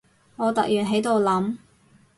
我突然喺度諗